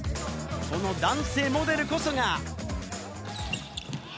この男性モデルこそが。